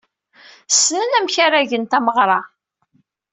Ssnen amek ara gen tameɣra.